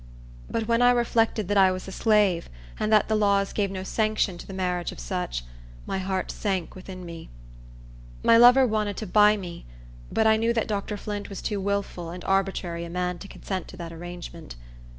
But when I reflected that I was a slave, and that the laws gave no sanction to the marriage of such, my heart sank within me. My lover wanted to buy me; but I knew that Dr. Flint was too willful and arbitrary a man to consent to that arrangement.